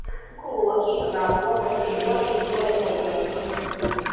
mkubwa wa Kiarabu Walakini washindi polepole walifahamu